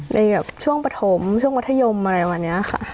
ในช่วงปฐมช่วงประธโยมอะไรว่านี้ค่ะ